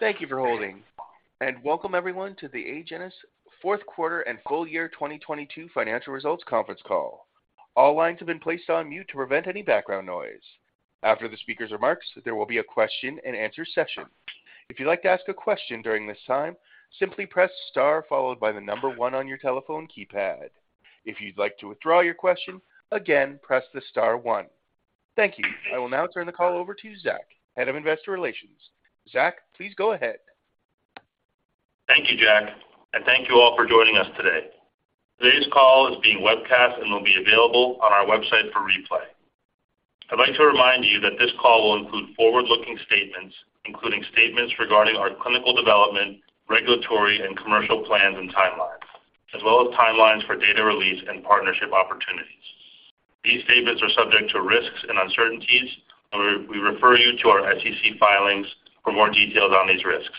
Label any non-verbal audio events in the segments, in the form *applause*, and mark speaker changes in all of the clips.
Speaker 1: Thank you for holding, and welcome everyone to the Agenus Fourth Quarter and Full-Year 2022 Financial Results Conference Call. All lines have been placed on mute to prevent any background noise. After the speaker's remarks, there will be a question-and-answer session. If you'd like to ask a question during this time, simply press star followed by the number one on your telephone keypad. If you'd like to withdraw your question, again, press the star one. Thank you. I will now turn the call over to Zach, Head of Investor Relations. Zach, please go ahead.
Speaker 2: Thank you, Jack, and thank you all for joining us today. Today's call is being webcast and will be available on our website for replay. I'd like to remind you that this call will include forward-looking statements, including statements regarding our clinical development, regulatory, and commercial plans and timelines, as well as timelines for data release and partnership opportunities. These statements are subject to risks and uncertainties, and we refer you to our SEC filings for more details on these risks.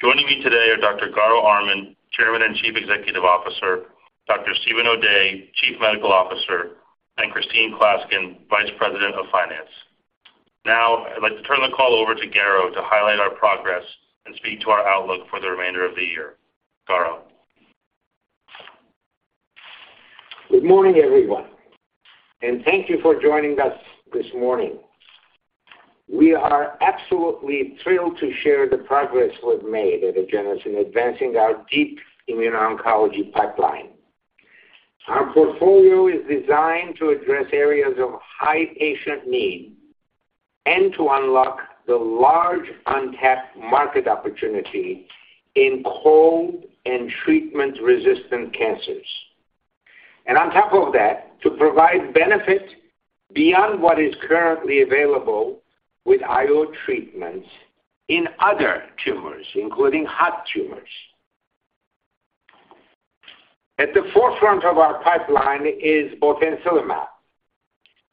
Speaker 2: Joining me today are Dr. Garo Armen, Chairman and Chief Executive Officer; Dr. Steven O'Day, Chief Medical Officer; and Christine Klaskin, Vice President of Finance. I'd like to turn the call over to Garo to highlight our progress and speak to our outlook for the remainder of the year. Garo.
Speaker 3: Good morning, everyone. Thank you for joining us this morning. We are absolutely thrilled to share the progress we've made at Agenus in advancing our deep immuno-oncology pipeline. Our portfolio is designed to address areas of high patient need and to unlock the large untapped market opportunity in cold and treatment-resistant cancers. On top of that, to provide benefit beyond what is currently available with IO treatments in other tumors, including hot tumors. At the forefront of our pipeline is botensilimab,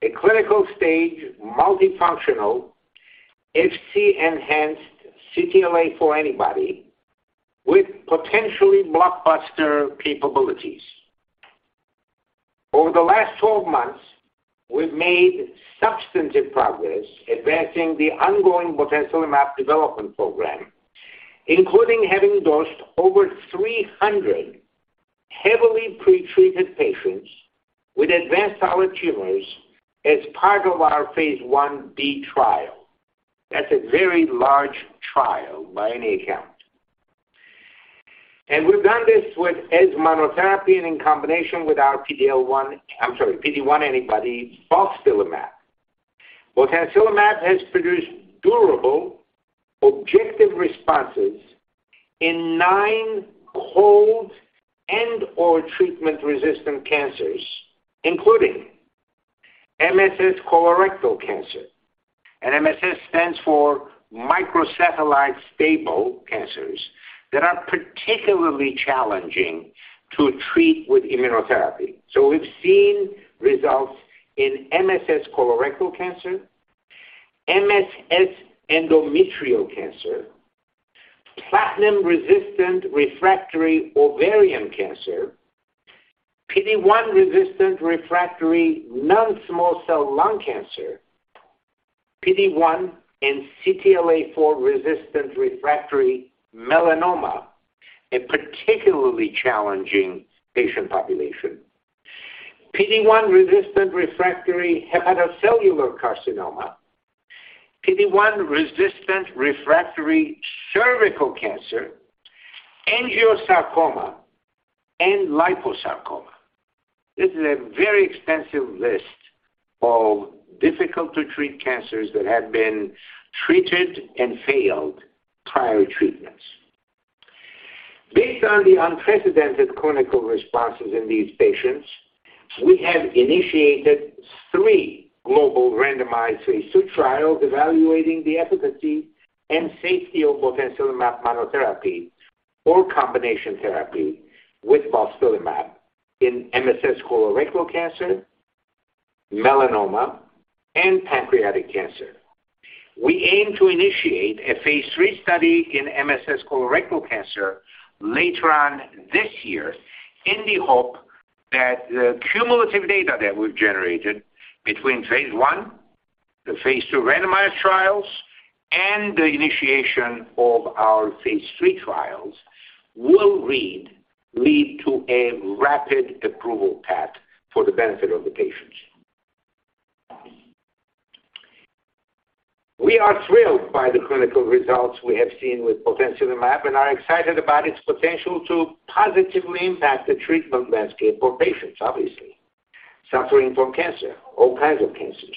Speaker 3: a clinical-stage multifunctional Fc-enhanced CTLA-4 antibody with potentially blockbuster capabilities. Over the last 12 months, we've made substantive progress advancing the ongoing botensilimab development program, including having dosed over 300 heavily pretreated patients with advanced solid tumors as part of our phase I-B trial. That's a very large trial by any account. We've done this with as monotherapy and in combination with our PD-1 antibody balstilimab. Botensilimab has produced durable objective responses in nine cold and/or treatment-resistant cancers, including MSS colorectal cancer. MSS stands for microsatellite stable cancers that are particularly challenging to treat with immunotherapy. We've seen results in MSS colorectal cancer, MSS endometrial cancer, platinum-resistant refractory ovarian cancer, PD-1 resistant refractory non-small cell lung cancer, PD-1 and CTLA-4 resistant refractory melanoma, a particularly challenging patient population, PD-1 resistant refractory hepatocellular carcinoma, PD-1 resistant refractory cervical cancer, angiosarcoma, and liposarcoma. This is a very extensive list of difficult to treat cancers that have been treated and failed prior treatments. Based on the unprecedented clinical responses in these patients, we have initiated three global randomized phase II trials evaluating the efficacy and safety of botensilimab monotherapy or combination therapy with balstilimab in MSS colorectal cancer, melanoma, and pancreatic cancer. We aim to initiate phase III study in MSS colorectal cancer later on this year in the hope that the cumulative data that we've generated between phase I, phase II randomized trials, and the initiation of phase III trials will lead to a rapid approval path for the benefit of the patients. We are thrilled by the clinical results we have seen with botensilimab and are excited about its potential to positively impact the treatment landscape for patients, obviously, suffering from cancer, all kinds of cancers.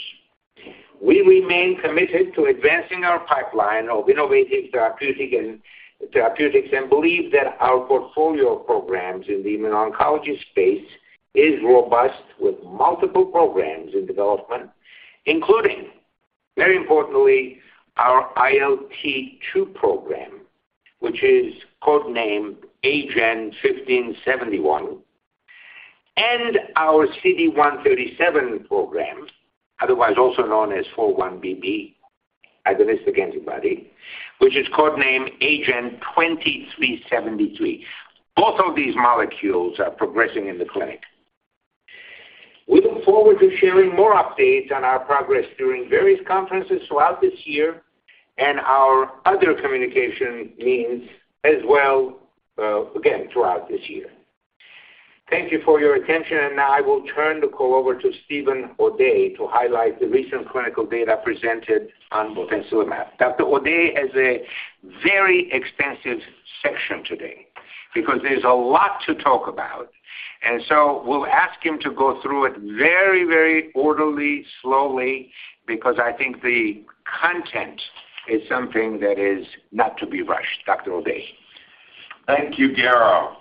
Speaker 3: We remain committed to advancing our pipeline of innovative therapeutic and therapeutics, and believe that our portfolio of programs in the immuno-oncology space is robust with multiple programs in development, including, very importantly, our ILT2 program, which is code-named AGEN1571, and our CD137 program, otherwise also known as 4-1BB agonistic antibody, which is code named AGEN2373. Both of these molecules are progressing in the clinic. We look forward to sharing more updates on our progress during various conferences throughout this year and our other communication means as well, again, throughout this year. Thank you for your attention. Now I will turn the call over to Steven O'Day to highlight the recent clinical data presented on botensilimab. Dr. O'Day has a very extensive section today because there's a lot to talk about, and so we'll ask him to go through it very, very orderly, slowly, because I think the content is something that is not to be rushed. Dr. O'Day.
Speaker 4: Thank you, Garo.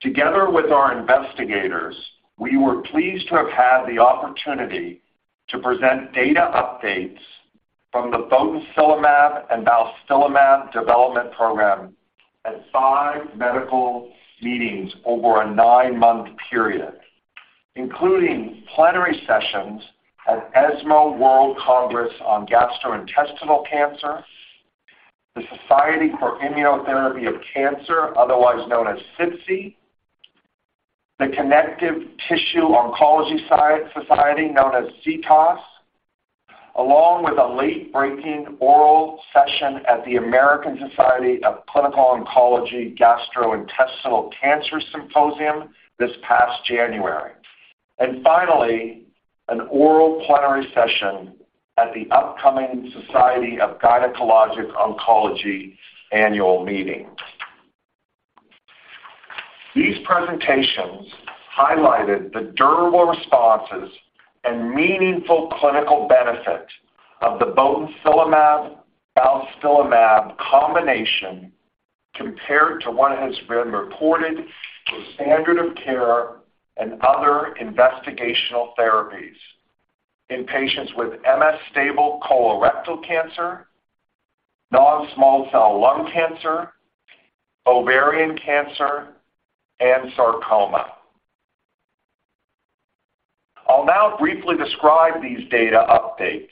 Speaker 4: Together with our investigators, we were pleased to have had the opportunity to present data updates from the botensilimab and balstilimab development program at five medical meetings over a nine-month period, including plenary sessions at ESMO World Congress on Gastrointestinal Cancer, the Society for Immunotherapy of Cancer, otherwise known as SITC, the Connective Tissue Oncology Society, known as CTOS, along with a late-breaking oral session at the American Society of Clinical Oncology Gastrointestinal Cancer Symposium this past January, and finally, an oral plenary session at the upcoming Society of Gynecologic Oncology Annual Meeting. These presentations highlighted the durable responses and meaningful clinical benefit of the botensilimab/balstilimab combination compared to what has been reported with standard of care and other investigational therapies in patients with MSS-stable colorectal cancer, non-small cell lung cancer, ovarian cancer, and sarcoma. I'll now briefly describe these data updates,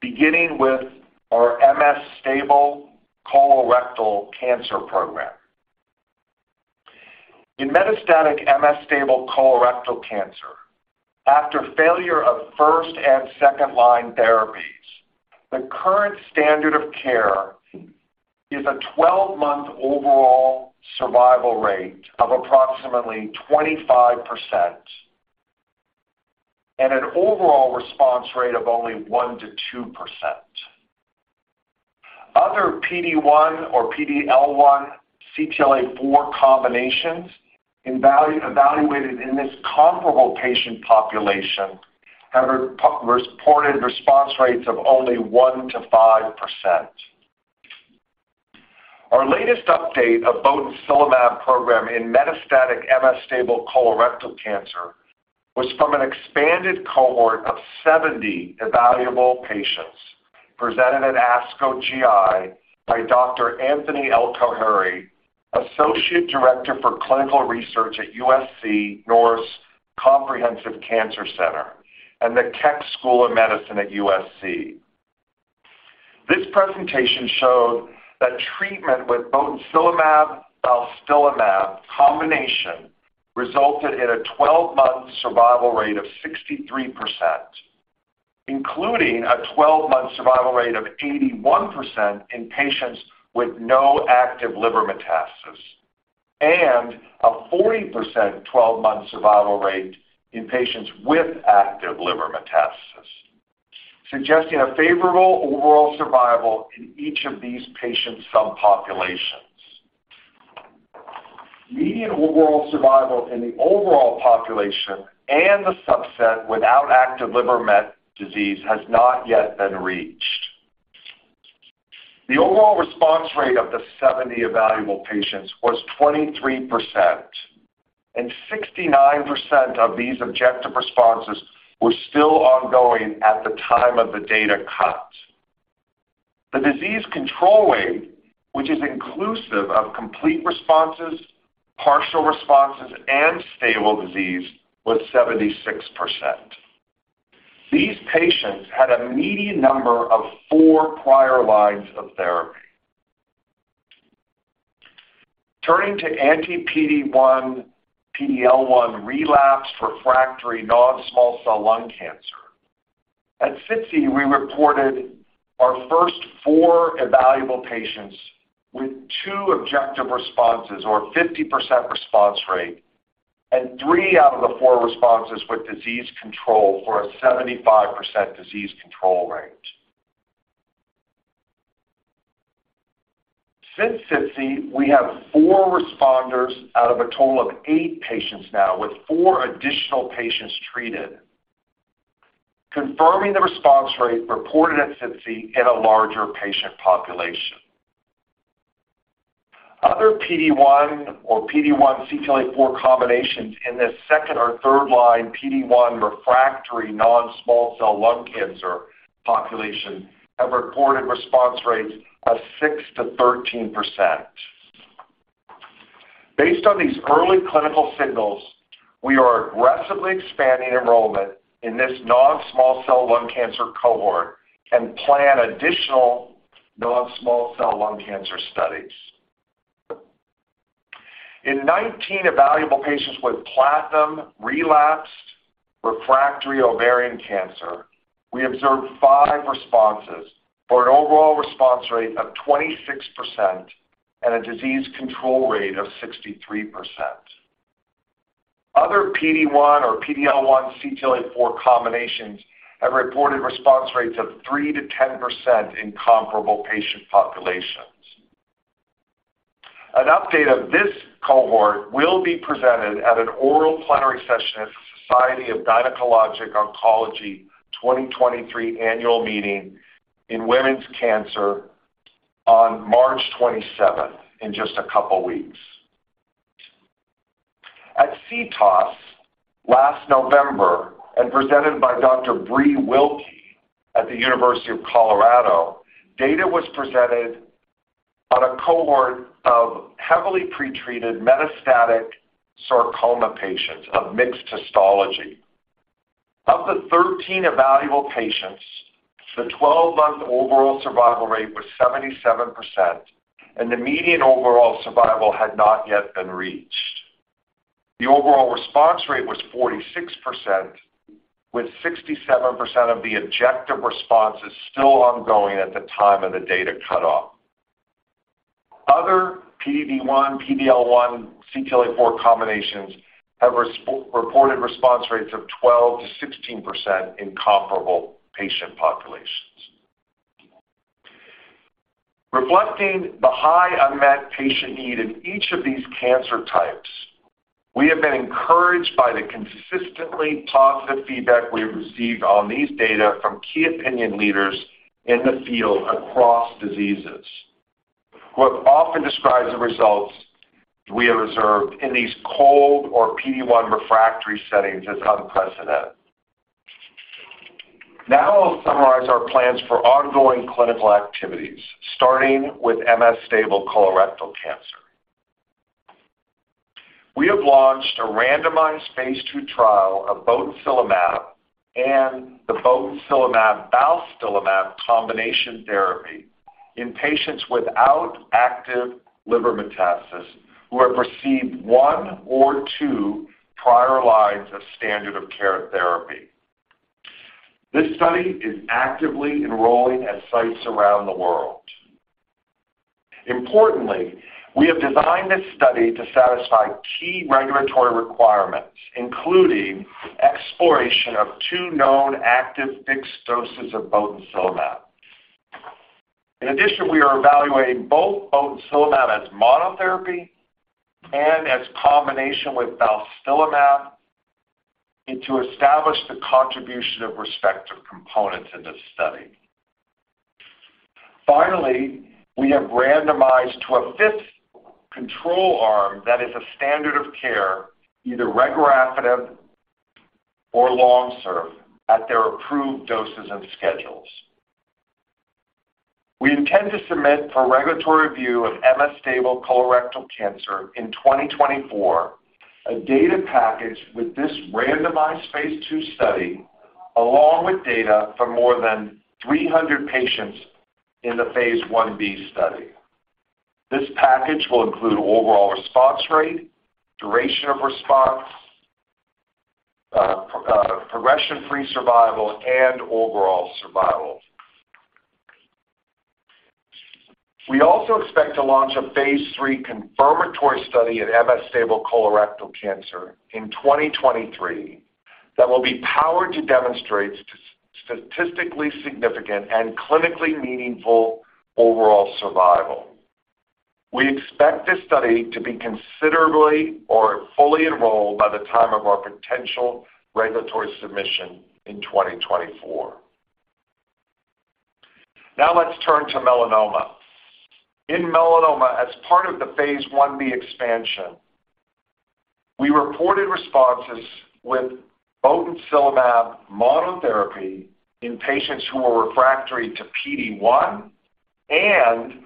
Speaker 4: beginning with our MS-stable colorectal cancer program. In metastatic MS-stable colorectal cancer, after failure of first and second-line therapies, the current standard of care is a 12-month overall survival rate of approximately 25% and an overall response rate of only 1%-2%. Other PD-1 or PD-L1 CTLA-4 combinations evaluated in this comparable patient population have reported response rates of only 1%-5%. Our latest update of botensilimab program in metastatic MS-stable colorectal cancer was from an expanded cohort of 70 evaluable patients presented at ASCO GI by Dr. Anthony El-Khoueiry, Associate Director for Clinical Research at USC Norris Comprehensive Cancer Center and the Keck School of Medicine at USC. This presentation showed that treatment with botensilimab/balstilimab combination resulted in a 12-month survival rate of 63%, including a 12-month survival rate of 81% in patients with no active liver metastasis and a 40% 12-month survival rate in patients with active liver metastasis, suggesting a favorable overall survival in each of these patient subpopulations. Median overall survival in the overall population and the subset without active liver met disease has not yet been reached. The overall response rate of the 70 evaluable patients was 23%, and 69% of these objective responses were still ongoing at the time of the data cut. The disease control rate, which is inclusive of complete responses, partial responses, and stable disease, was 76%. These patients had a median number of four prior lines of therapy. Turning to anti-PD-1, PD-L1 relapsed refractory non-small cell lung cancer, at SITC, we reported our first four evaluable patients with two objective responses or a 50% response rate and three out of the four responses with disease control for a 75% disease control rate. Since SITC, we have four responders out of a total of eight patients now with four additional patients treated, confirming the response rate reported at SITC in a larger patient population. Other PD-1 or PD-1 CTLA-4 combinations in this second or third-line PD-1 refractory non-small cell lung cancer population have reported response rates of 6%-13%. Based on these early clinical signals, we are aggressively expanding enrollment in this non-small cell lung cancer cohort and plan additional non-small cell lung cancer studies. In 19 evaluable patients with platinum-relapsed refractory ovarian cancer, we observed five responses for an overall response rate of 26% and a disease control rate of 63%. Other PD-1 or PD-L1 CTLA-4 combinations have reported response rates of 3%-10% in comparable patient populations. An update of this cohort will be presented at an oral plenary session at the Society of Gynecologic Oncology 2023 Annual Meeting in Women's Cancer on March 27th in just a couple weeks. At CTOS last November and presented by Dr. Breelyn Wilky at the University of Colorado, data was presented on a cohort of heavily pretreated metastatic sarcoma patients of mixed histology. Of the 13 evaluable patients, the 12-month overall survival rate was 77%, and the median overall survival had not yet been reached. The overall response rate was 46%, with 67% of the objective responses still ongoing at the time of the data cutoff. Other PD-1, PD-L1, CTLA-4 combinations have reported response rates of 12%-16% in comparable patient populations. Reflecting the high unmet patient need in each of these cancer types, we have been encouraged by the consistently positive feedback we have received on these data from key opinion leaders in the field across diseases, who have often described the results we have observed in these cold or PD-1 refractory settings as unprecedented. Now I'll summarize our plans for ongoing clinical activities, starting with MS-stable colorectal cancer. We have launched a randomized phase II trial of botensilimab and the botensilimab balstilimab combination therapy in patients without active liver metastasis who have received one or two prior lines of standard of care therapy. This study is actively enrolling at sites around the world. Importantly, we have designed this study to satisfy key regulatory requirements, including exploration of two known active fixed doses of botensilimab. In addition, we are evaluating both botensilimab as monotherapy and as combination with balstilimab and to establish the contribution of respective components in this study. Finally, we have randomized to a fifth control arm that is a standard of care, either regorafenib or LONSURF at their approved doses and schedules. We intend to submit for regulatory review of MS-stable colorectal cancer in 2024 a data package with this randomized phase II study along with data for more than 300 patients in the phase I-B study. This package will include overall response rate, duration of response, progression-free survival, and overall survival. We also expect to launch a phase III confirmatory study in MS-stable colorectal cancer in 2023 that will be powered to demonstrate statistically significant and clinically meaningful overall survival. We expect this study to be considerably or fully enrolled by the time of our potential regulatory submission in 2024. Now let's turn to melanoma. In melanoma, as part of the phase I-B expansion, we reported responses with botensilimab monotherapy in patients who were refractory to PD-1 and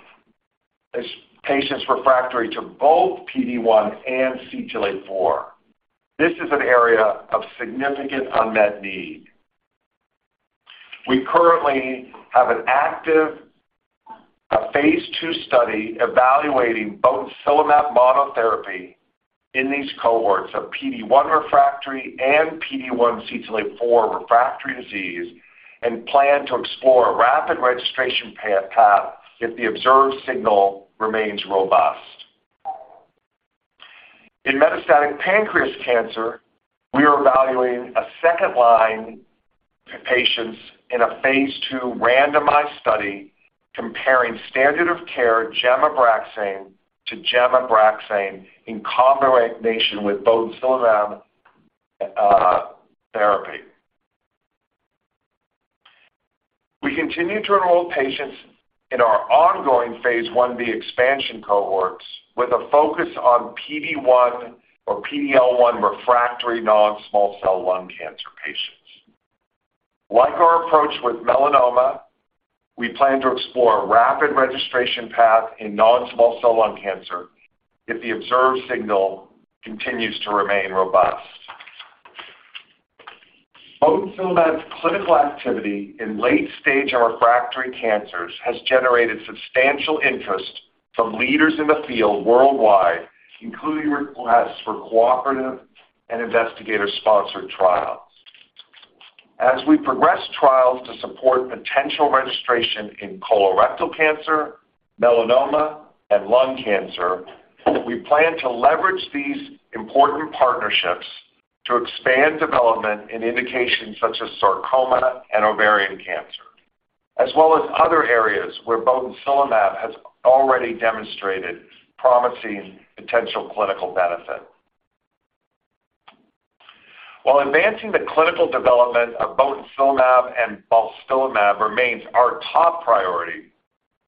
Speaker 4: as patients refractory to both PD-1 and CTLA-4. This is an area of significant unmet need. We currently have an active phase II study evaluating botensilimab monotherapy in these cohorts of PD-1 refractory and PD-1/CTLA-4 refractory disease and plan to explore a rapid registration path if the observed signal remains robust. In metastatic pancreas cancer, we are evaluating second-line patients in a phase II randomized study comparing standard of care gem-Abraxane to gem-Abraxane in combination with botensilimab therapy. We continue to enroll patients in our ongoing phase I-B expansion cohorts with a focus on PD-1 or PD-L1 refractory non-small cell lung cancer patients. Like our approach with melanoma, we plan to explore a rapid registration path in non-small cell lung cancer if the observed signal continues to remain robust. Botensilimab's clinical activity in late-stage and refractory cancers has generated substantial interest from leaders in the field worldwide, including requests for cooperative and investigator-sponsored trials. As we progress trials to support potential registration in colorectal cancer, melanoma, and lung cancer, we plan to leverage these important partnerships to expand development in indications such as sarcoma and ovarian cancer, as well as other areas where botensilimab has already demonstrated promising potential clinical benefit. While advancing the clinical development of botensilimab and balstilimab remains our top priority,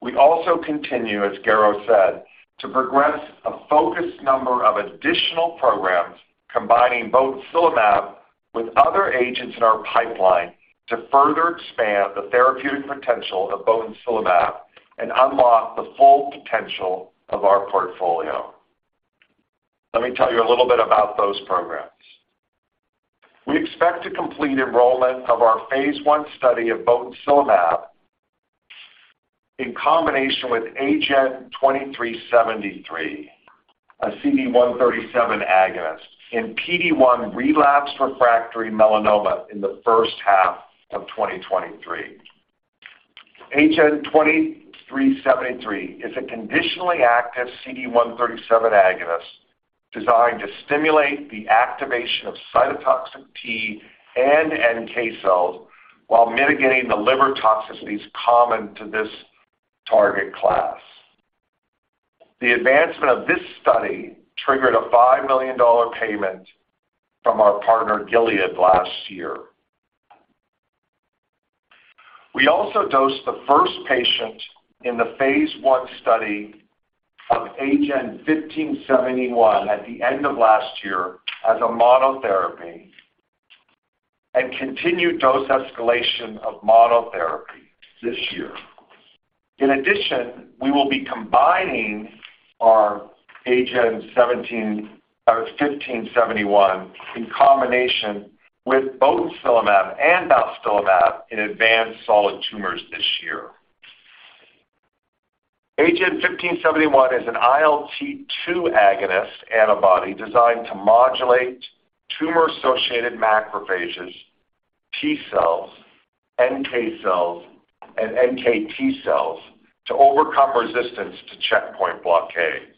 Speaker 4: we also continue, as Garo said, to progress a focused number of additional programs combining botensilimab with other agents in our pipeline to further expand the therapeutic potential of botensilimab and unlock the full potential of our portfolio. Let me tell you a little bit about those programs. We expect to complete enrollment of our phase I study of botensilimab in combination with AGEN2373, a CD137 agonist in PD-1 relapsed refractory melanoma in the first half of 2023. AGEN2373 is a conditionally active CD137 agonist designed to stimulate the activation of cytotoxic T and NK cells while mitigating the liver toxicities common to this target class. The advancement of this study triggered a $5 million payment from our partner Gilead last year. We also dosed the first patient in the phase I study of AGEN1571 at the end of last year as a monotherapy and continued dose escalation of monotherapy this year. In addition, we will be combining our AGEN1571 in combination with botensilimab and balstilimab in advanced solid tumors this year. AGEN1571 is an ILT2 agonist antibody designed to modulate tumor-associated macrophages, T cells, NK cells, and NKT cells to overcome resistance to checkpoint blockade.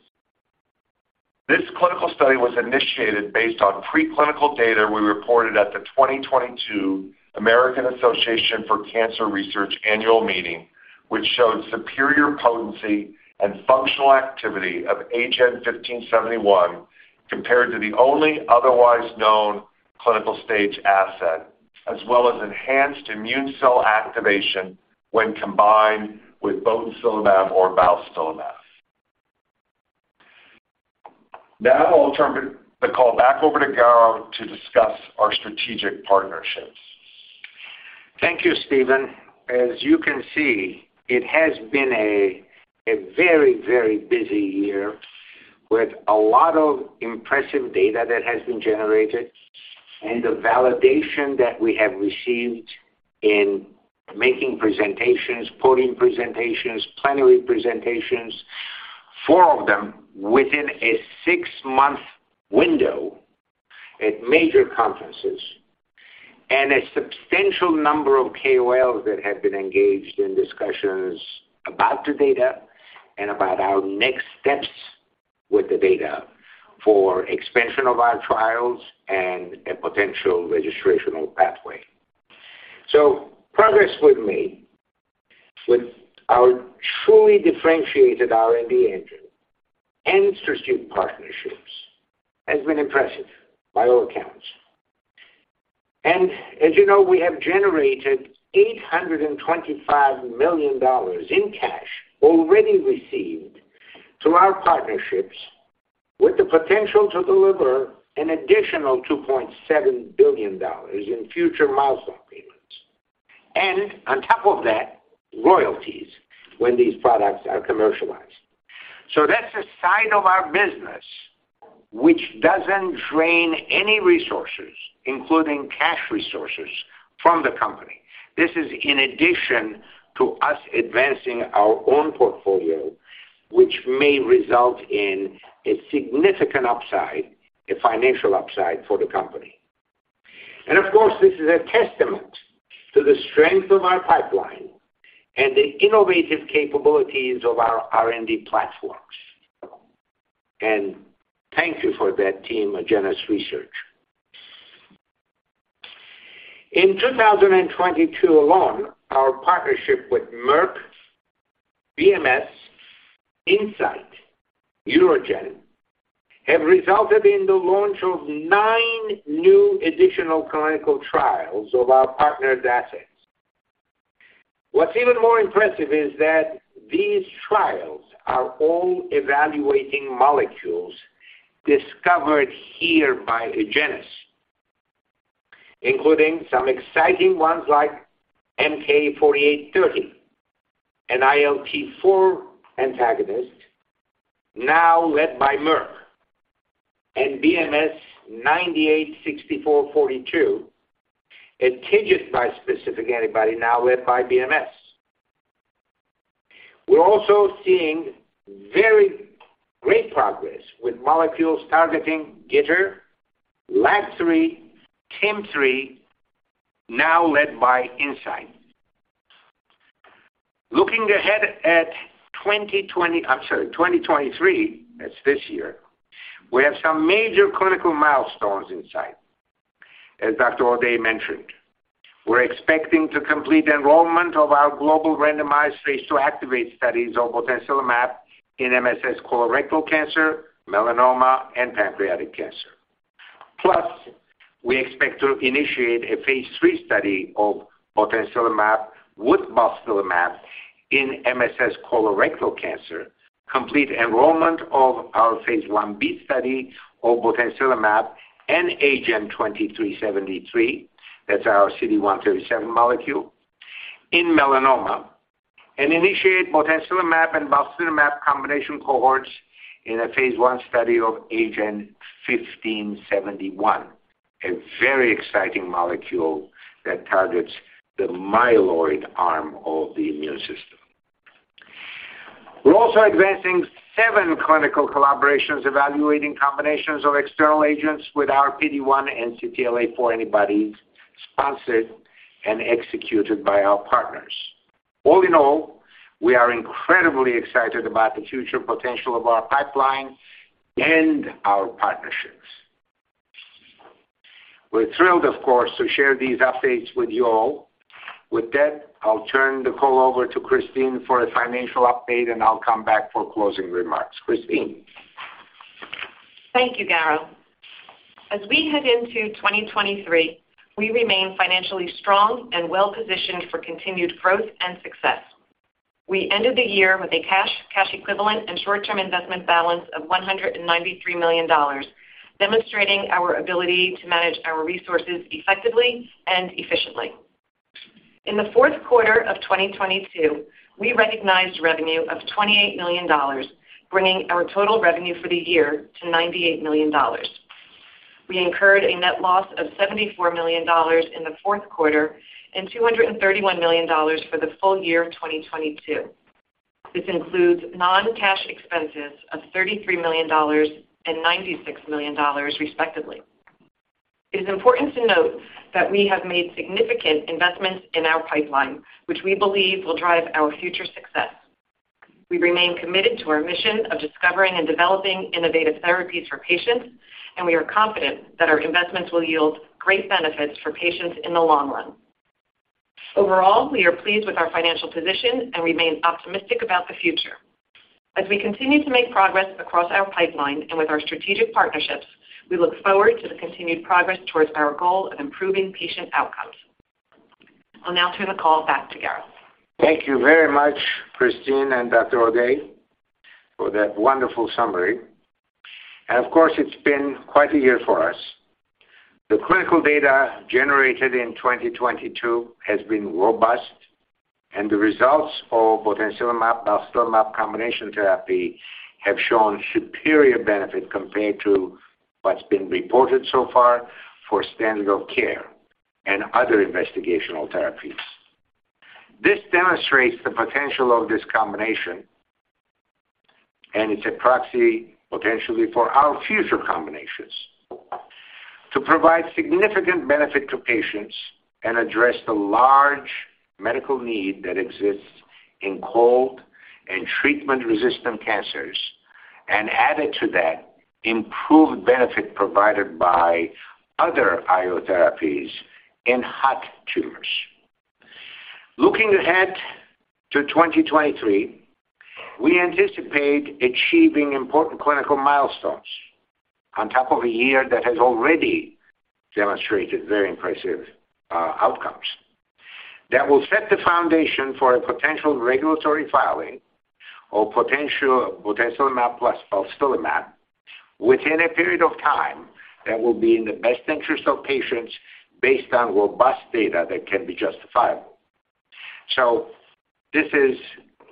Speaker 4: This clinical study was initiated based on preclinical data we reported at the 2022 American Association for Cancer Research Annual Meeting, which showed superior potency and functional activity of AGEN1571 compared to the only otherwise known clinical stage asset, as well as enhanced immune cell activation when combined with botensilimab or balstilimab. I'll turn the call back over to Garo to discuss our strategic partnerships.
Speaker 3: Thank you, Steven. As you can see, it has been a very, very busy year with a lot of impressive data that has been generated and the validation that we have received in making presentations, coding presentations, plenary presentations, four of them within a six-month window at major conferences. A substantial number of KOLs that have been engaged in discussions about the data and about our next steps with the data for expansion of our trials and a potential registrational pathway. Progress was made with our truly differentiated R&D engine and strategic partnerships has been impressive by all accounts. As you know, we have generated $825 million in cash already received through our partnerships with the potential to deliver an additional $2.7 billion in future milestone payments. On top of that, royalties when these products are commercialized. That's a side of our business which doesn't drain any resources, including cash resources from the company. This is in addition to us advancing our own portfolio, which may result in a significant upside, a financial upside for the company. Of course, this is a testament to the strength of our pipeline and the innovative capabilities of our R&D platforms. Thank you for that team, Agenus Research. In 2022 alone, our partnership with Merck, BMS, Incyte, UroGen, have resulted in the launch of nine new additional clinical trials of our partnered assets. What's even more impressive is that these trials are all evaluating molecules discovered here by Agenus, including some exciting ones like MK-4830, an ILT4 antagonist now led by Merck and BMS-986442, a TIGIT bispecific antibody now led by BMS. We're also seeing very great progress with molecules targeting GITR, LAG-3, TIM-3, now led by Incyte. Looking ahead at 2023, that's this year, we have some major clinical milestones in sight. As Dr. O'Day mentioned, we're expecting to complete enrollment of our global randomized phase II studies of botensilimab in MSS colorectal cancer, melanoma, and pancreatic cancer. We expect to initiate a phase III study of botensilimab with balstilimab in MSS colorectal cancer, complete enrollment of our phase I-B study of botensilimab and AGEN2373, that's our CD137 molecule, in melanoma, and initiate botensilimab and balstilimab combination cohorts in a phase I study of AGEN1571, a very exciting molecule that targets the myeloid arm of the immune system. We're also advancing seven clinical collaborations evaluating combinations of external agents with our PD-1 and CTLA-4 antibodies, sponsored and executed by our partners. All in all, we are incredibly excited about the future potential of our pipeline and our partnerships. We're thrilled, of course, to share these updates with you all. With that, I'll turn the call over to Christine for a financial update, and I'll come back for closing remarks. Christine.
Speaker 5: Thank you, Garo. As we head into 2023, we remain financially strong and well-positioned for continued growth and success. We ended the year with a cash equivalent, and short-term investment balance of $193 million, demonstrating our ability to manage our resources effectively and efficiently. In the fourth quarter of 2022, we recognized revenue of $28 million, bringing our total revenue for the year to $98 million. We incurred a net loss of $74 million in the fourth quarter and $231 million for the full year of 2022. This includes non-cash expenses of $33 million and $96 million, respectively. It is important to note that we have made significant investments in our pipeline, which we believe will drive our future success. We remain committed to our mission of discovering and developing innovative therapies for patients. We are confident that our investments will yield great benefits for patients in the long run. Overall, we are pleased with our financial position and remain optimistic about the future. We continue to make progress across our pipeline and with our strategic partnerships, we look forward to the continued progress towards our goal of improving patient outcomes. I'll now turn the call back to Garo.
Speaker 3: Thank you very much, Christine and Dr. O'Day, for that wonderful summary. Of course, it's been quite a year for us. The clinical data generated in 2022 has been robust, and the results of botensilimab/balstilimab combination therapy have shown superior benefit compared to what's been reported so far for standard of care and other investigational therapies. This demonstrates the potential of this combination, and it's a proxy, potentially, for our future combinations to provide significant benefit to patients and address the large medical need that exists in cold and treatment-resistant cancers, and added to that, improved benefit provided by other IO therapies in hot tumors. Looking ahead to 2023, we anticipate achieving important clinical milestones on top of a year that has already demonstrated very impressive outcomes. That will set the foundation for a potential regulatory filing of potential botensilimab plus balstilimab within a period of time that will be in the best interest of patients based on robust data that can be justifiable. This is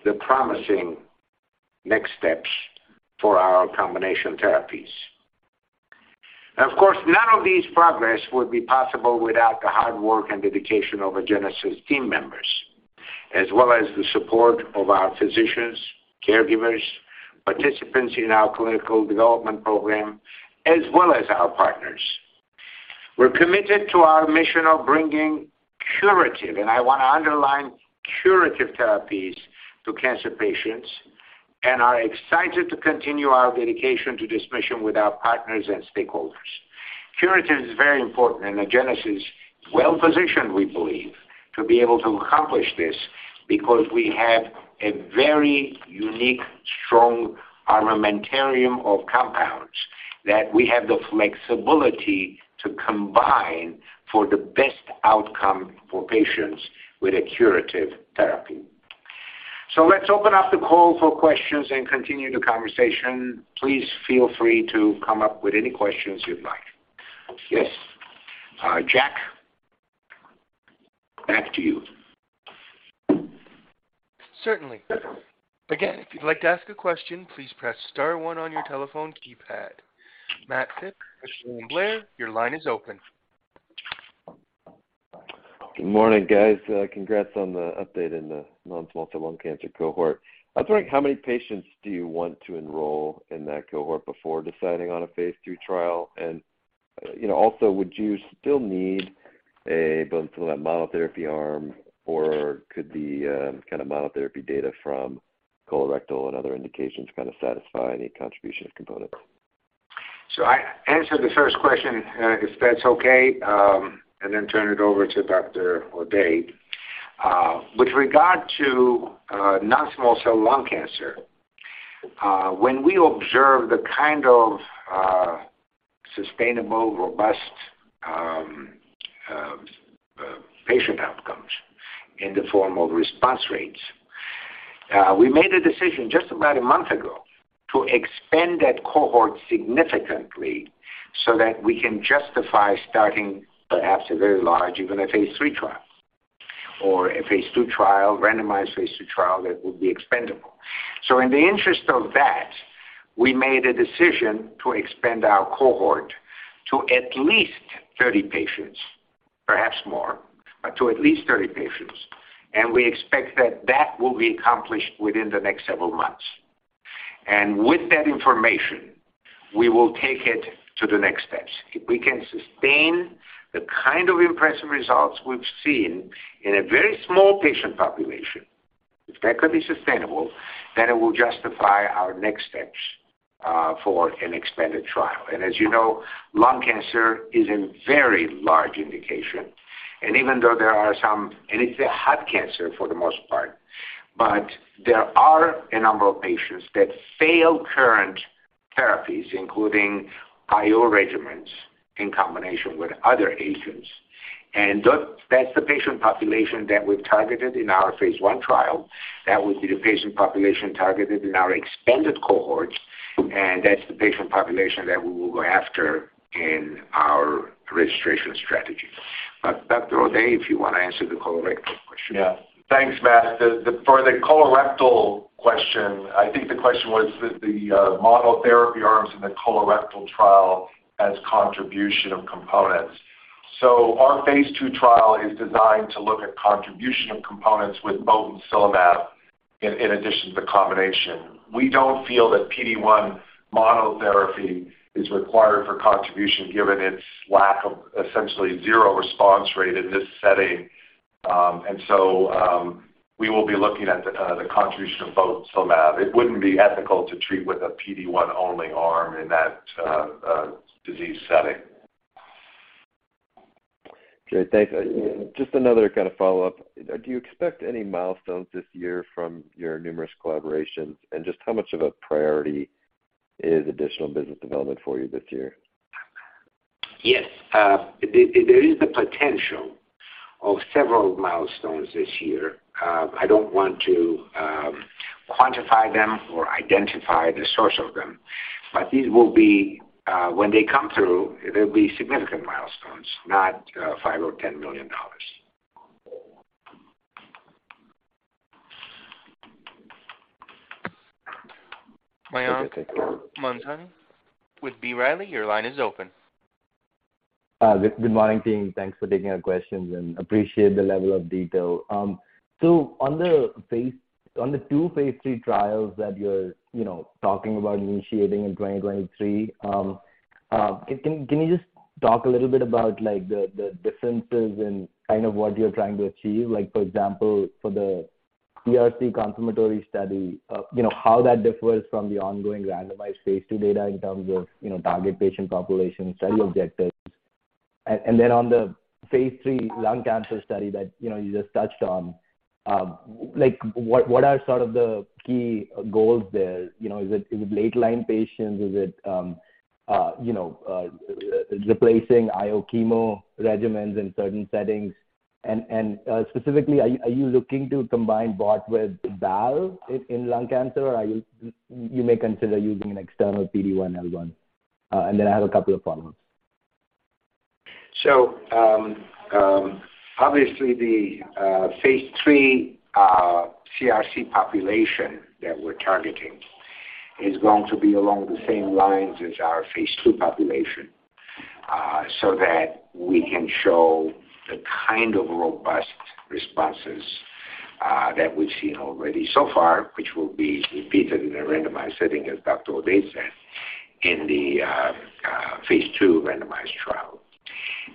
Speaker 3: the promising next steps for our combination therapies. Of course, none of these progress would be possible without the hard work and dedication of Agenus' team members, as well as the support of our physicians, caregivers, participants in our clinical development program, as well as our partners. We're committed to our mission of bringing curative, and I wanna underline curative therapies to cancer patients and are excited to continue our dedication to this mission with our partners and stakeholders. Curative is very important, and Agenus is well-positioned, we believe, to be able to accomplish this because we have a very unique, strong armamentarium of compounds that we have the flexibility to combine for the best outcome for patients with a curative therapy. Let's open up the call for questions and continue the conversation. Please feel free to come up with any questions you'd like. Yes. Jack, back to you.
Speaker 1: Certainly. Again, if you'd like to ask a question, please press star one on your telephone keypad. Matt Phipps, William Blair, your line is open.
Speaker 6: Good morning, guys. Congrats on the update in the non-small cell lung cancer cohort. I was wondering how many patients do you want to enroll in that cohort before deciding on a phase II trial? You know, also, would you still need a botensilimab monotherapy arm, or could the kind of monotherapy data from colorectal and other indications kind of satisfy any contribution of components?
Speaker 3: I answer the first question, if that's okay, and then turn it over to Dr. O'Day. With regard to non-small cell lung cancer, when we observe the kind of sustainable, robust, patient outcomes in the form of response rates, we made a decision just about a month ago to expand that cohort significantly so that we can justify starting perhaps a very large, even a phase III trial or a phase II trial, randomized phase II trial that would be expandable. In the interest of that, we made a decision to expand our cohort to at least 30 patients, perhaps more, but to at least 30 patients. We expect that that will be accomplished within the next several months. With that information, we will take it to the next steps. If we can sustain the kind of impressive results we've seen in a very small patient population, if that could be sustainable, then it will justify our next steps, for an expanded trial. As you know, lung cancer is a very large indication. Even though there are some... and it's a hot cancer for the most part, but there are a number of patients that fail current therapies, including IO regimens in combination with other agents. That's the patient population that we've targeted in our phase I trial. That would be the patient population targeted in our expanded cohorts, and that's the patient population that we will go after in our registration strategy. Dr. O'Day, if you wanna answer the colorectal question.
Speaker 4: Yeah. Thanks, Matt. For the colorectal question, I think the question was with the monotherapy arms in the colorectal trial as contribution of components. So our phase II trial is designed to look at contribution of components with botensilimab in addition to the combination. We don't feel that PD-1 monotherapy is required for contribution given its lack of essentially zero response rate in this setting. We will be looking at the contribution of botensilimab. It wouldn't be ethical to treat with a PD-1 only arm in that disease setting.
Speaker 6: Okay, thanks. Just another kind of follow-up. Do you expect any milestones this year from your numerous collaborations? Just how much of a priority is additional business development for you this year?
Speaker 3: Yes. There is the potential of several milestones this year. I don't want to quantify them or identify the source of them, but these will be, when they come through, they'll be significant milestones, not $5 million or $10 million.
Speaker 1: Mayank Mamtani with B. Riley Securities, your line is open.
Speaker 7: Good morning, team. Thanks for taking our questions and appreciate the level of detail. On the two phase III trials that you're, you know, talking about initiating in 2023, can you just talk a little bit about like the differences in kind of what you're trying to achieve? Like, for example, for the CRC confirmatory study, you know, how that differs from the ongoing randomized phase II data in terms of, you know, target patient population, study objectives. Then on the phase III lung cancer study that, you know, you just touched on, like what are sort of the key goals there? You know, is it late-line patients? Is it, you know, replacing IO chemo regimens in certain settings? Specifically, are you looking to combine BOT with BAL in lung cancer, or you may consider using an external PD-L1? Then I have a couple of follow-ups.
Speaker 3: Obviously the phase III CRC population that we're targeting is going to be along the same lines as our phase II population so that we can show the kind of robust responses that we've seen already so far, which will be repeated in a randomized setting, as Dr. O'Day said, in the phase II randomized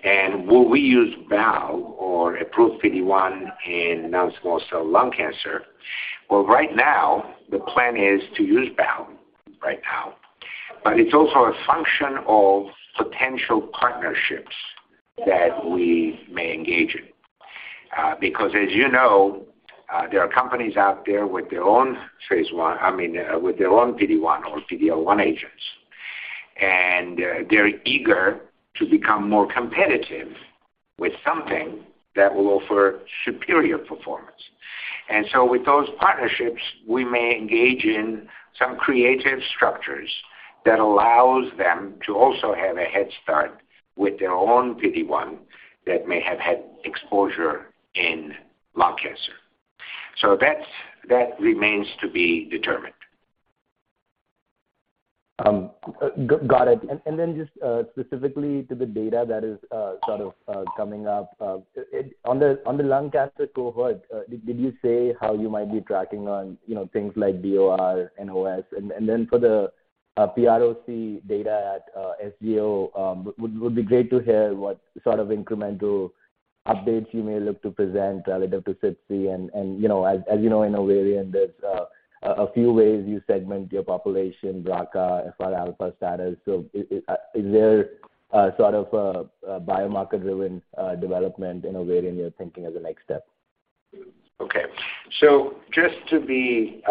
Speaker 3: trial. Will we use BAL or approved PD-1 in non-small cell lung cancer? Right now the plan is to use BAL right now, but it's also a function of potential partnerships that we may engage in. Because as you know, there are companies out there with their own phase I, I mean, with their own PD-1 or PD-L1 agents, and they're eager to become more competitive with something that will offer superior performance. With those partnerships, we may engage in some creative structures that allows them to also have a head start with their own PD-1 that may have had exposure in lung cancer. That remains to be determined.
Speaker 7: Got it. Then just specifically to the data that is sort of coming up, on the lung cancer cohort, did you say how you might be tracking on, you know, things like BOR and OS? Then for the PROC data at SGO, would be great to hear what sort of incremental updates you may look to present later to SITC and you know, as you know, in ovarian, there's a few ways you segment your population, BRCA, FRα status. Is there sort of a biomarker-driven development in ovarian you're thinking as a next step?
Speaker 3: Okay. Just to be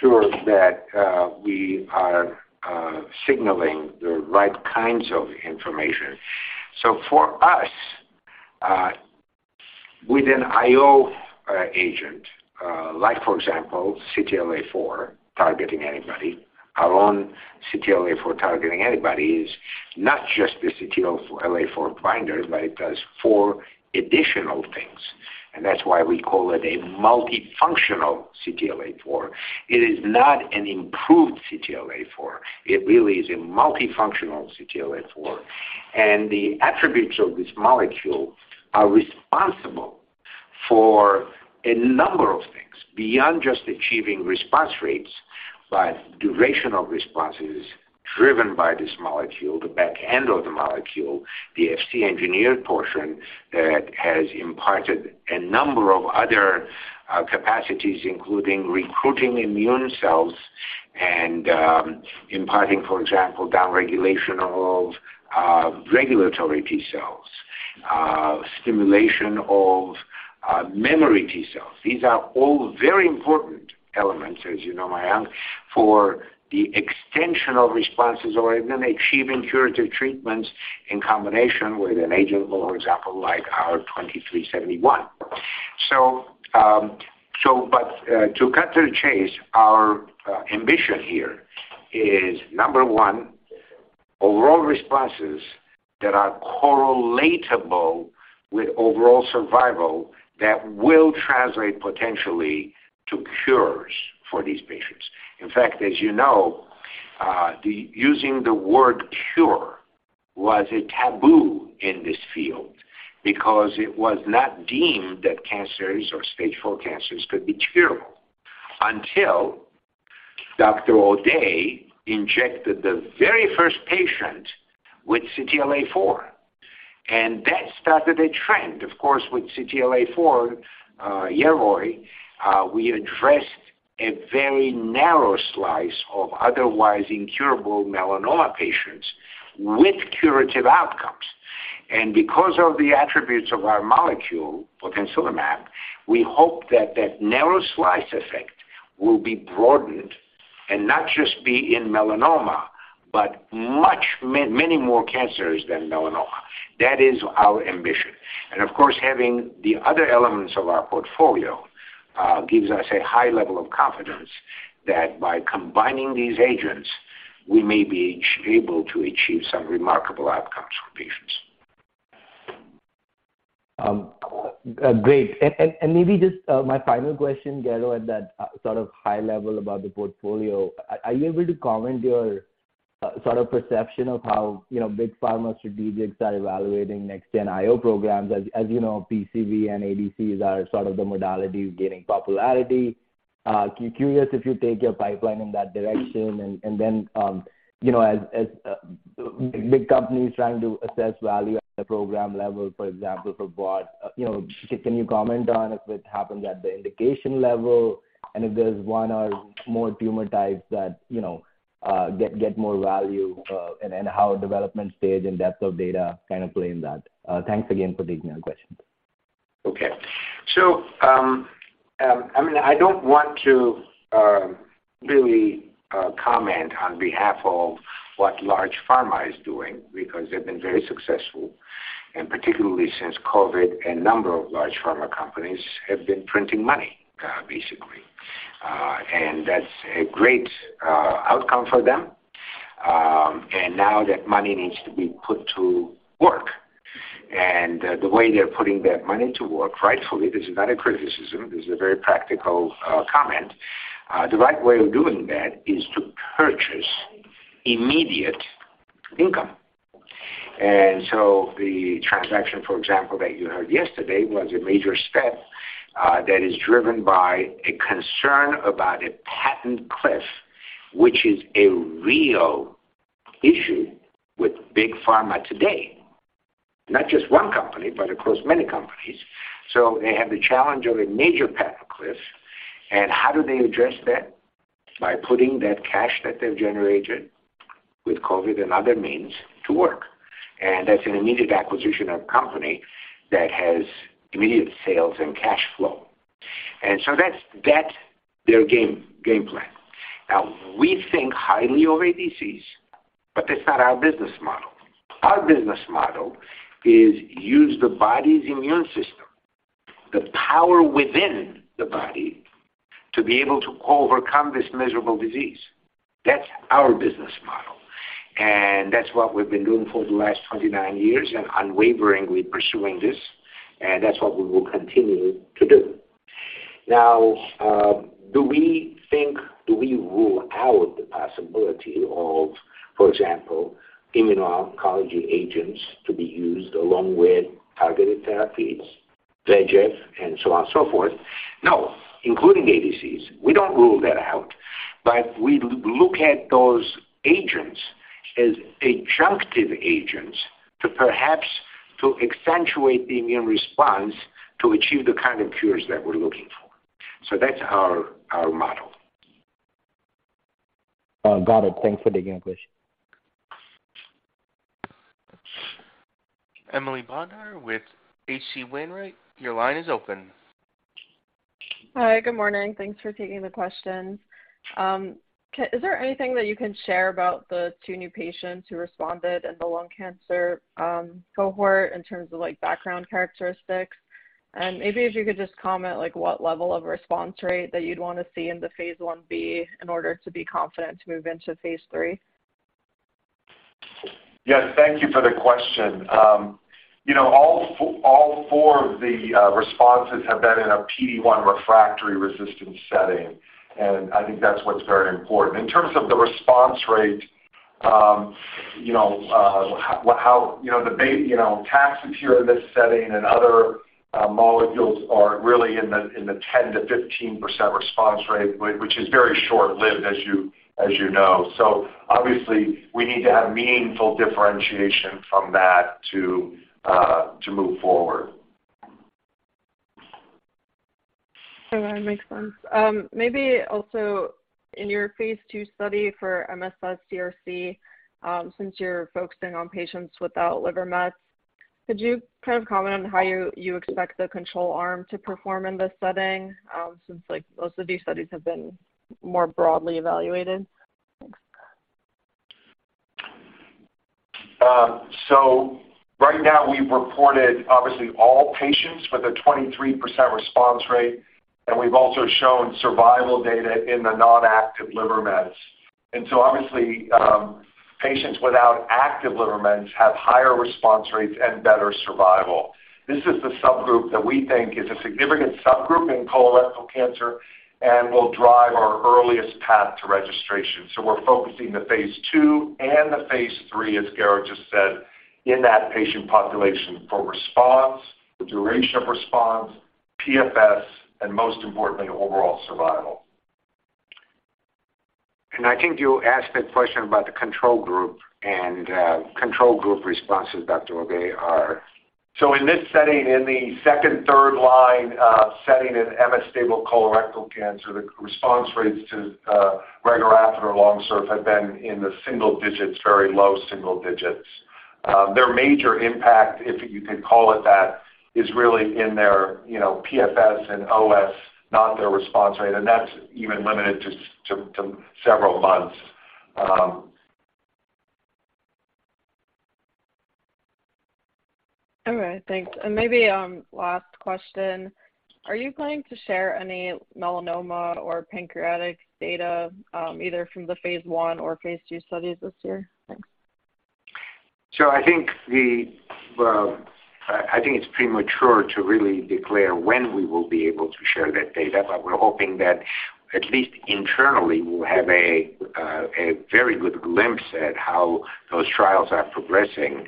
Speaker 3: sure that we are signaling the right kinds of information. For us, with an IO agent, like for example, CTLA-4 targeting antibody, our own CTLA-4 targeting antibody is not just the CTLA-4 binder, but it does four additional things, and that's why we call it a multifunctional CTLA-4. It is not an improved CTLA-4. It really is a multifunctional CTLA-4. The attributes of this molecule are responsible for a number of things beyond just achieving response rates, but durational responses driven by this molecule, the back end of the molecule, the Fc engineered portion that has imparted a number of other capacities, including recruiting immune cells and imparting, for example, downregulation of regulatory T cells, stimulation of memory T cells. These are all very important elements, as you know, Mayank, for the extension of responses or even achieving curative treatments in combination with an agent, for example, like our AGEN2371. To cut to the chase, our ambition here is, number one, overall responses that are correlatable with overall survival that will translate potentially to cures for these patients. In fact, as you know, the using the word cure was a taboo in this field because it was not deemed that cancers or stage 4 cancers could be curable until Dr. O'Day injected the very first patient with CTLA-4, and that started a trend. Of course, with CTLA-4, Yervoy, we addressed a very narrow slice of otherwise incurable melanoma patients with curative outcomes. Because of the attributes of our molecule, botensilimab, we hope that that narrow slice effect will be broadened and not just be in melanoma, but much many more cancers than melanoma. That is our ambition. Of course, having the other elements of our portfolio, gives us a high level of confidence that by combining these agents, we may be each able to achieve some remarkable outcomes for patients.
Speaker 7: Great. Maybe just my final question, Garo, at that sort of high level about the portfolio. Are you able to comment your sort of perception of how, you know, big pharma strategics are evaluating next gen IO programs? As you know, PCV and ADCs are sort of the modalities gaining popularity. Curious if you take your pipeline in that direction and then, you know, as big companies trying to assess value at the program level, for example, for broad, you know, can you comment on if it happens at the indication level and if there's one or more tumor types that, you know, get more value, and how development stage and depth of data kind of play in that? Thanks again for taking our questions.
Speaker 3: Okay. I mean, I don't want to really comment on behalf of what large pharma is doing because they've been very successful. Particularly since COVID, a number of large pharma companies have been printing money, basically. That's a great outcome for them. Now that money needs to be put to work. The way they're putting that money to work, rightfully, this is not a criticism, this is a very practical comment. The right way of doing that is to purchase immediate income. The transaction, for example, that you heard yesterday was a major step that is driven by a concern about a patent cliff, which is a real issue with big pharma today. Not just one company, but across many companies. They have the challenge of a major patent cliff, and how do they address that? By putting that cash that they've generated with COVID and other means to work. That's an immediate acquisition of company that has immediate sales and cash flow. That's their game plan. Now, we think highly of ADCs. That's not our business model. Our business model is use the body's immune system, the power within the body, to be able to overcome this miserable disease. That's our business model, that's what we've been doing for the last 29 years and unwaveringly pursuing this, and that's what we will continue to do. Now, do we rule out the possibility of, for example, immuno-oncology agents to be used along with targeted therapies, VEGF, and so on and so forth? No, including ADCs. We don't rule that out. We look at those agents as adjunctive agents to perhaps accentuate the immune response to achieve the kind of cures that we're looking for. That's our model.
Speaker 7: Got it. Thanks for taking the question.
Speaker 1: Emily Bodnar with H.C. Wainwright. Your line is open.
Speaker 8: Hi. Good morning. Thanks for taking the questions. Is there anything that you can share about the two new patients who responded in the lung cancer cohort in terms of, like, background characteristics? Maybe if you could just comment, like, what level of response rate that you'd wanna see in the phase I-B in order to be confident to move into phase III?
Speaker 4: Yes, thank you for the question. You know, all four of the responses have been in a PD-1 refractory resistant setting, and I think that's what's very important. In terms of the response rate, you know, how, you know, the big, you know, Taxotere in this setting and other molecules are really in the 10%-15% response rate, which is very short-lived, as you know. Obviously we need to have meaningful differentiation from that to move forward.
Speaker 8: All right. Makes sense. Maybe also in your phase II study for MSS CRC, since you're focusing on patients without liver mets, could you kind of comment on how you expect the control arm to perform in this setting, since, like, most of these studies have been more broadly evaluated? Thanks.
Speaker 4: Right now we've reported obviously all patients with a 23% response rate, and we've also shown survival data in the non-active liver meds. Obviously, patients without active liver meds have higher response rates and better survival. This is the subgroup that we think is a significant subgroup in colorectal cancer and will drive our earliest path to registration. We're focusing the phase II and the phase III, as Garo just said, in that patient population for response, the duration of response, PFS, and most importantly, overall survival.
Speaker 3: I think you asked that question about the control group and control group responses, Dr. O'day, are. *audio distortion*
Speaker 4: In this setting, in the second, third line setting in MS-stable colorectal cancer, the response rates to regorafenib or LONSURF have been in the single digits, very low-single digits. Their major impact, if you could call it that, is really in their, you know, PFS and OS, not their response rate, and that's even limited to several months.
Speaker 8: All right. Thanks. Maybe, last question. Are you going to share any melanoma or pancreatic data, either from the phase I or phase II studies this year? Thanks.
Speaker 3: I think the, I think it's premature to really declare when we will be able to share that data, but we're hoping that at least internally we'll have a very good glimpse at how those trials are progressing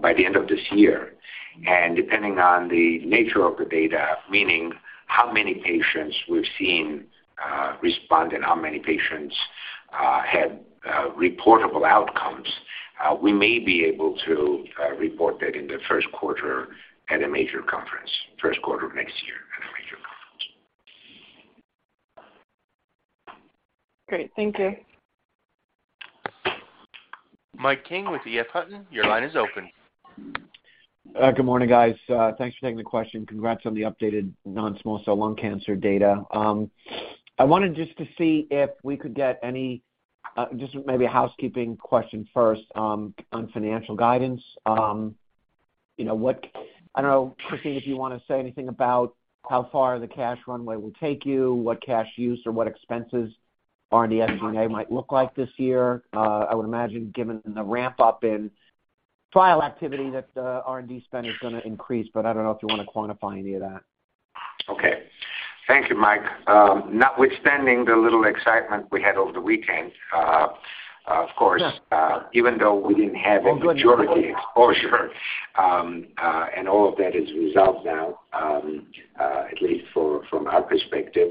Speaker 3: by the end of this year. Depending on the nature of the data, meaning how many patients we've seen respond and how many patients had reportable outcomes, we may be able to report that in the first quarter at a major conference. First quarter of next year at a major conference.
Speaker 8: Great. Thank you.
Speaker 1: Mike King with EF Hutton, your line is open.
Speaker 9: Good morning, guys. Thanks for taking the question. Congrats on the updated non-small cell lung cancer data. I wanted just to see if we could get any, just maybe a housekeeping question first, on financial guidance. You know, what, I don't know, Christine, if you wanna say anything about how far the cash runway will take you, what cash use or what expenses R&D, SG&A might look like this year. I would imagine given the ramp up in trial activity that, R&D spend is gonna increase, but I don't know if you wanna quantify any of that.
Speaker 3: Okay. Thank you, Mike. Notwithstanding the little excitement we had over the weekend, even though we didn't have a majority exposure, and all of that is resolved now, at least from our perspective.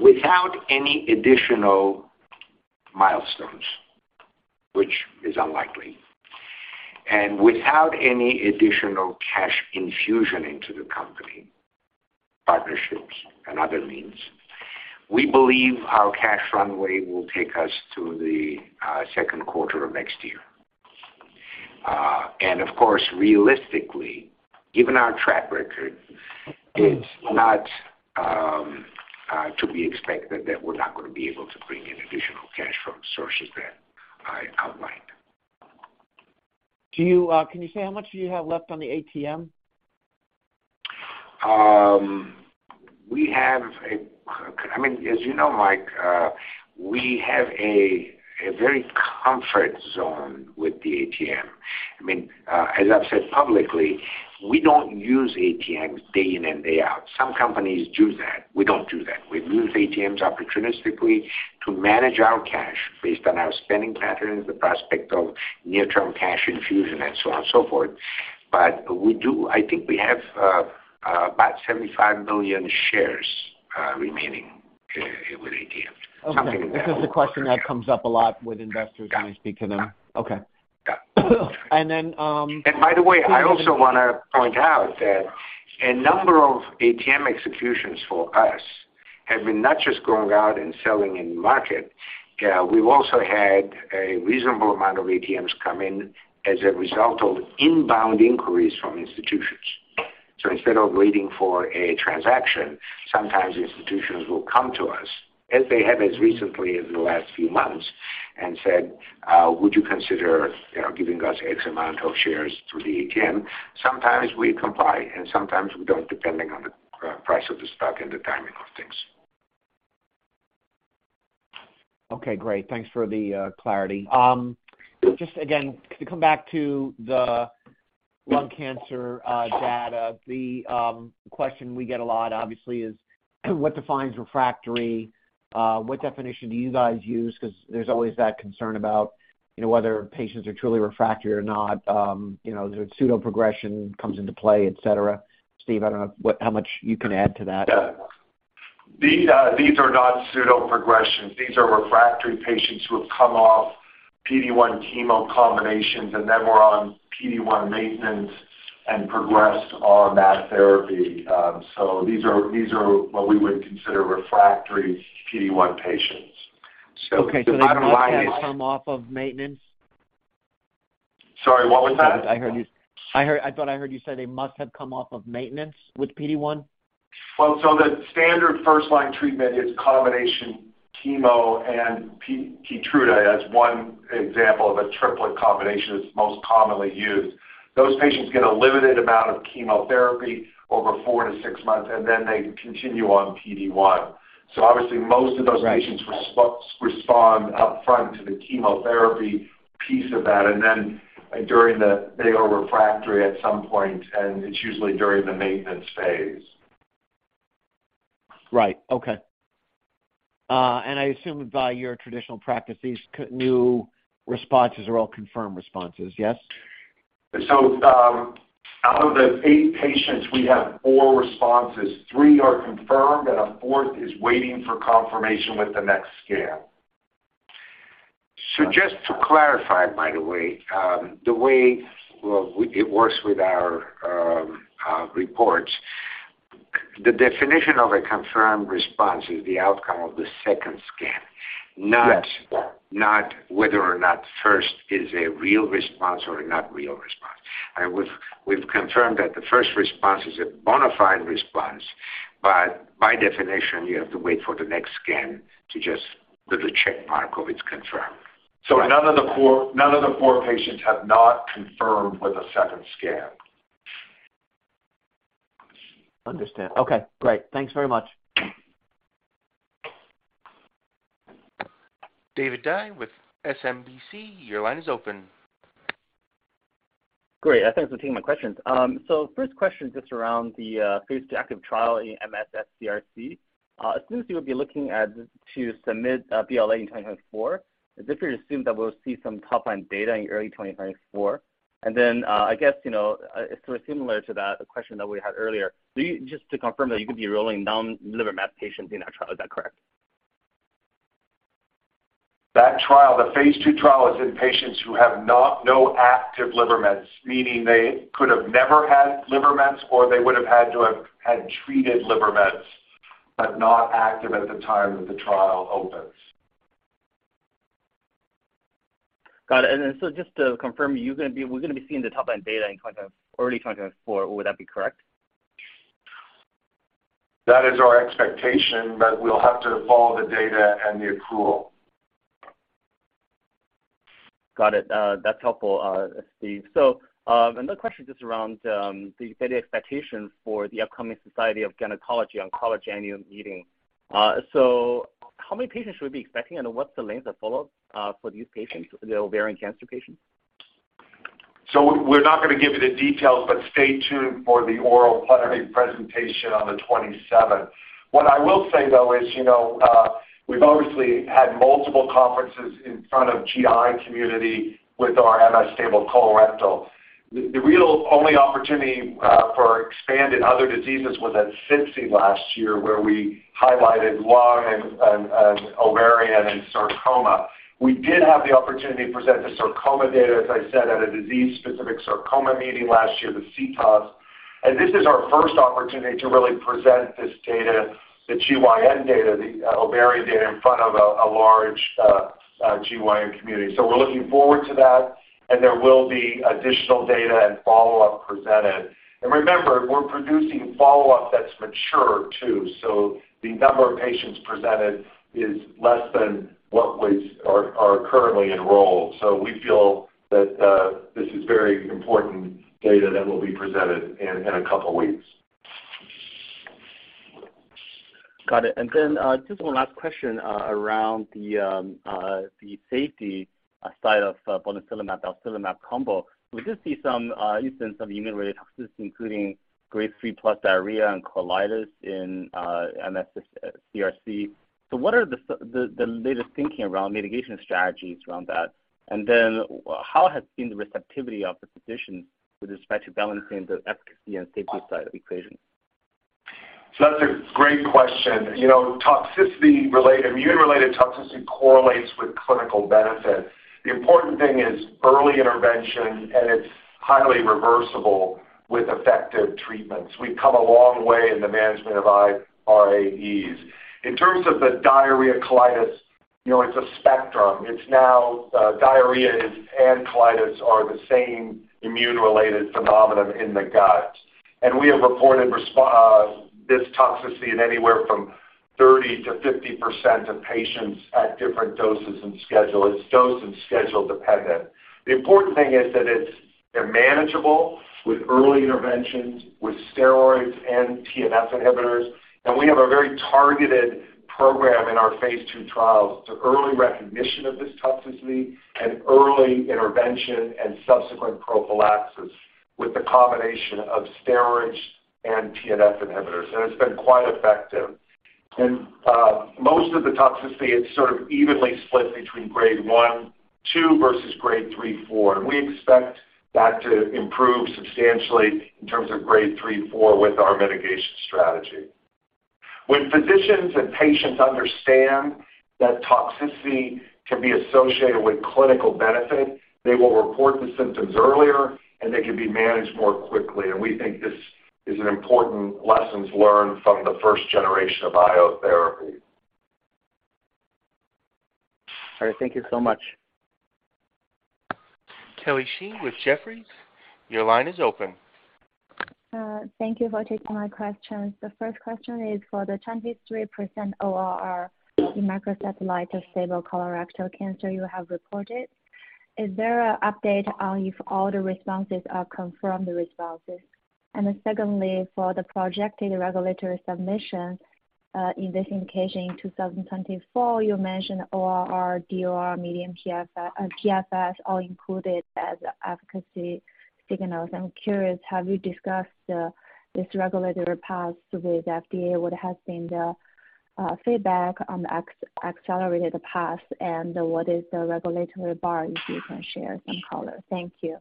Speaker 3: Without any additional milestones, which is unlikely, and without any additional cash infusion into the company, partnerships and other means, we believe our cash runway will take us to the second quarter of next year. Of course, realistically, given our track record, it's not to be expected that we're not gonna be able to bring in additional cash from sources that I outlined.
Speaker 9: Do you, can you say how much you have left on the ATM?
Speaker 3: We have, I mean, as you know, Mike, we have a very comfort zone with the ATM. I mean, as I've said publicly, we don't use ATMs day in and day out. Some companies do that. We don't do that. We use ATMs opportunistically to manage our cash based on our spending patterns, the prospect of near-term cash infusion and so on and so forth. We do, I think, we have about 75 million shares remaining with ATM.
Speaker 9: Okay. This is a question that comes up a lot with investors when I speak to them.
Speaker 3: Yeah.
Speaker 9: Okay.
Speaker 3: Yeah.
Speaker 9: And then—
Speaker 3: By the way, I also wanna point out that a number of ATM executions for us have been not just going out and selling in market. We've also had a reasonable amount of ATMs come in as a result of inbound inquiries from institutions. Instead of waiting for a transaction, sometimes institutions will come to us, as they have as recently as the last few months, and said, "Would you consider, you know, giving us X amount of shares through the ATM?" Sometimes we comply, and sometimes we don't, depending on the price of the stock and the timing of things.
Speaker 9: Okay, great. Thanks for the clarity. Just again, to come back to the lung cancer data, the question we get a lot obviously is what defines refractory? What definition do you guys use? 'Cause there's always that concern about, you know, whether patients are truly refractory or not. You know, the pseudo progression comes into play, et cetera. Steve, I don't know how much you can add to that.
Speaker 4: Yeah. These are not pseudo progressions. These are refractory patients who have come off PD-1 chemo combinations and then were on PD-1 maintenance and progressed on that therapy. These are what we would consider refractory PD-1 patients.
Speaker 9: Okay. They must have come off of maintenance?
Speaker 4: Sorry, what was that?
Speaker 9: I heard you, I thought I heard you say they must have come off of maintenance with PD-1.
Speaker 4: Well, the standard first-line treatment is combination chemo and KEYTRUDA. That's one example of a triplet combination that's most commonly used. Those patients get a limited amount of chemotherapy over four to six months, and then they continue on PD-1. Obviously most of those patients respond upfront to the chemotherapy piece of that. They are refractory at some point, and it's usually during the maintenance phase.
Speaker 9: Right. Okay. I assume by your traditional practice, these new responses are all confirmed responses, yes?
Speaker 4: Out of the eight patients, we have four responses. Three are confirmed, and a fourth is waiting for confirmation with the next scan.
Speaker 3: Just to clarify, by the way, the way it works with our reports. The definition of a confirmed response is the outcome of the second scan.
Speaker 4: Yes.
Speaker 3: Not whether or not first is a real response or a not real response. We've confirmed that the first response is a bona fide response. By definition, you have to wait for the next scan to just put a check mark of it's confirmed.
Speaker 4: None of the four patients have not confirmed with a second scan.
Speaker 9: Understand. Okay. Great. Thanks very much.
Speaker 1: David Dai with SMBC, your line is open.
Speaker 10: Great. Thanks for taking my questions. First question just around the phase II active trial in MSS CRC. As soon as you would be looking at to submit a BLA in 2024, is it fair to assume that we'll see some top-line data in early 2024? I guess, you know, sort of similar to that, the question that we had earlier. Just to confirm that you could be rolling non-liver met patients in that trial. Is that correct?
Speaker 4: That trial, the phase II trial is in patients who have not no active liver mets, meaning they could have never had liver mets or they would have had to have had treated liver mets, but not active at the time that the trial opens.
Speaker 10: Got it. Just to confirm, we're gonna be seeing the top-line data early 2024. Would that be correct?
Speaker 4: That is our expectation, but we'll have to follow the data and the accrual.
Speaker 10: Got it. That's helpful, Steve. Another question just around the data expectations for the upcoming Society of Gynecologic Oncology Annual Meeting. How many patients should we be expecting, and what's the length of follow-up for these patients, the ovarian cancer patients?
Speaker 4: We're not gonna give you the details, but stay tuned for the oral plenary presentation on the 27th. What I will say, though, is, you know, we've obviously had multiple conferences in front of GI community with our MS-stable colorectal. The real only opportunity for expanded other diseases was at SITC last year, where we highlighted lung and ovarian and sarcoma. We did have the opportunity to present the sarcoma data, as I said, at a disease-specific sarcoma meeting last year, the CTOS. This is our first opportunity to really present this data, the GYN data, the ovarian data, in front of a large GYN community. We're looking forward to that, and there will be additional data and follow-up presented. Remember, we're producing follow-up that's mature too. The number of patients presented is less than what are currently enrolled. We feel that, this is very important data that will be presented in a couple weeks.
Speaker 10: Got it. Just one last question, around the safety side of botensilimab/balstilimab combo. We did see some instance of immune-related toxicity, including grade 3+ diarrhea and colitis in MSS CRC. What are the latest thinking around mitigation strategies around that? How has been the receptivity of the physician with respect to balancing the efficacy and safety side of the equation?
Speaker 4: That's a great question. You know, toxicity immune-related toxicity correlates with clinical benefit. The important thing is early intervention, it's highly reversible with effective treatments. We've come a long way in the management of irAEs. In terms of the diarrhea/colitis, you know, it's a spectrum. It's now, diarrhea and colitis are the same immune-related phenomenon in the gut. we have reported this toxicity in anywhere from 30%-50% of patients at different doses and schedule. It's dose and schedule dependent. The important thing is that they're manageable with early interventions, with steroids and TNF inhibitors. we have a very targeted program in our phase II trials to early recognition of this toxicity and early intervention and subsequent prophylaxis with the combination of steroids and TNF inhibitors. it's been quite effective. Most of the toxicity, it's sort of evenly split between grade 1-2 versus grade 3-4. We expect that to improve substantially in terms of grade 3-4 with our mitigation strategy. When physicians and patients understand that toxicity can be associated with clinical benefit, they will report the symptoms earlier, and they can be managed more quickly. We think this is an important lessons learned from the first generation of IO therapy.
Speaker 10: All right. Thank you so much.
Speaker 1: Kelly Shi with Jefferies, your line is open.
Speaker 11: Thank you for taking my questions. The first question is for the 23% ORR in microsatellite stable colorectal cancer you have reported. Is there a update on if all the responses are confirmed responses? Secondly, for the projected regulatory submission in this indication in 2024, you mentioned ORR, DOR, median PFS, all included as efficacy signals. I'm curious, have you discussed this regulatory path with the FDA? What has been the feedback on the accelerated path and what is the regulatory bar, if you can share some color? Thank you.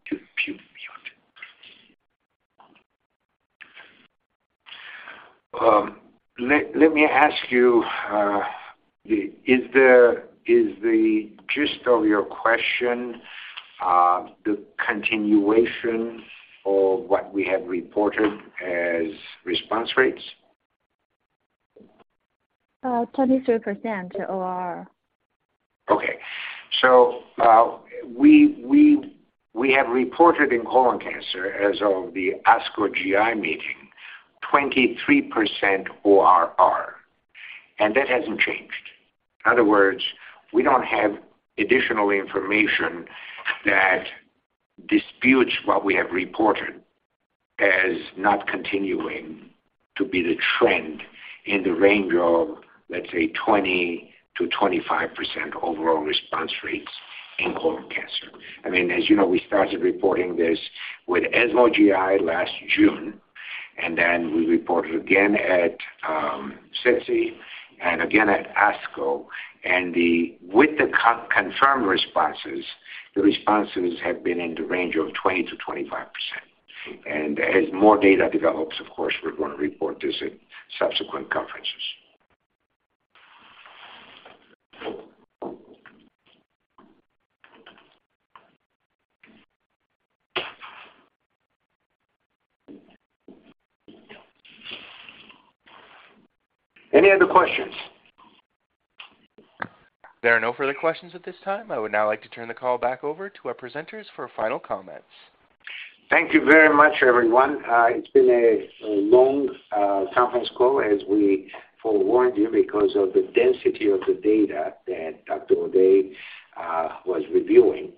Speaker 4: Let me ask you, Is the gist of your question, the continuation of what we have reported as response rates?
Speaker 11: 23% ORR.
Speaker 4: We have reported in colon cancer as of the ASCO GI meeting, 23% ORR, and that hasn't changed. In other words, we don't have additional information that disputes what we have reported as not continuing to be the trend in the range of, let's say, 20%-25% overall response rates in colon cancer. I mean, as you know, we started reporting this with ESMO GI last June, and then we reported again at SITC and again at ASCO. With the confirmed responses, the responses have been in the range of 20%-25%. As more data develops, of course, we're gonna report this at subsequent conferences.
Speaker 3: Any other questions?
Speaker 1: There are no further questions at this time. I would now like to turn the call back over to our presenters for final comments.
Speaker 3: Thank you very much, everyone. It's been a long conference call, as we forewarned you because of the density of the data that Dr. O'Day was reviewing.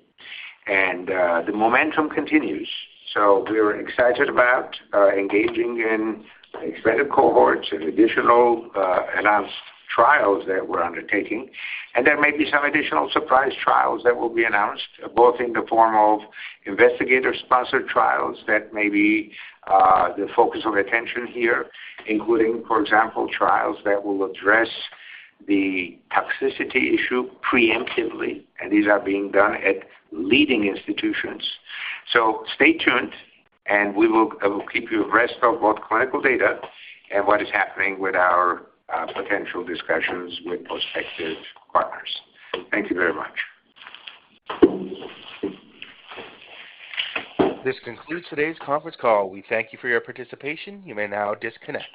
Speaker 3: The momentum continues. We're excited about engaging in expanded cohorts and additional announced trials that we're undertaking. There may be some additional surprise trials that will be announced, both in the form of investigator-sponsored trials that may be the focus of attention here, including, for example, trials that will address the toxicity issue preemptively, and these are being done at leading institutions. Stay tuned, and we will, we'll keep you abreast of both clinical data and what is happening with our potential discussions with prospective partners. Thank you very much.
Speaker 1: This concludes today's conference call. We thank you for your participation. You may now disconnect.